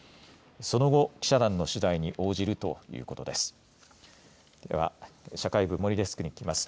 その後、記者団の取材に応じるということです。